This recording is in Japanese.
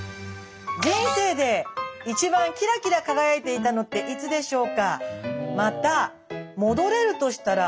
人生で一番キラキラ輝いていたのっていつでしょうか？